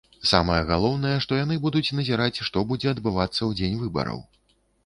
Самае галоўнае, што яны будуць назіраць, што будзе адбывацца ў дзень выбараў.